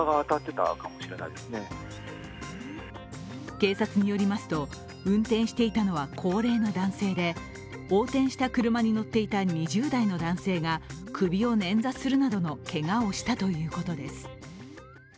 警察によりますと、運転していたのは高齢の男性で横転した車に乗っていた２０代の男性が首を捻挫するなどのけがをしたということです。